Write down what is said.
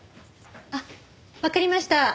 あっわかりました。